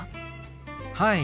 はい。